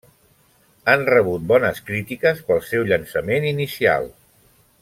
Han rebut bones crítiques pel seu llançament inicial.